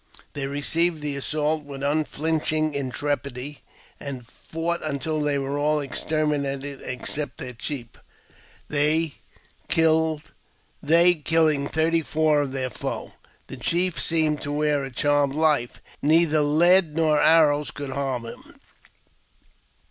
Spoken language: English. They received the assault with unflinching intrepidity and fought until they were all exterminated except their, chief — they killing thirty four of their foes. The chief seemejB to wear a charmed life ; neither lead nor arrows could harm , him.